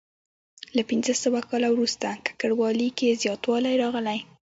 له پنځه سوه کال وروسته ککړوالي کې زیاتوالی راغلی.